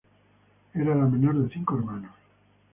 Era la menor de cinco hermanos.